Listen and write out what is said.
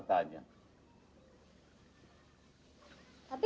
cukup jamp suci